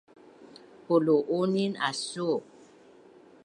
Pulu’unin asu’u